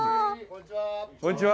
こんにちは。